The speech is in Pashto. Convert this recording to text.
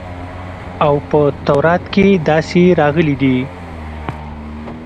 او په تورات کښې داسې راغلي دي.